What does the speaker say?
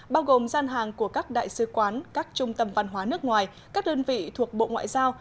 bao gồm gian hàng của các đại sứ quán các trung tâm văn hóa nước ngoài các đơn vị thuộc bộ ngoại giao